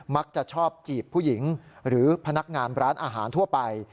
มักจะชอบจีบผู้หญิงหรือพนักงานร้านอาหารทั่วไป